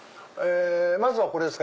まずは１ですか。